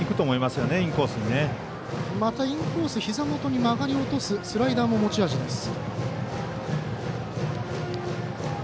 またインコースのひざ元に曲がり落とすスライダーも持ち味です。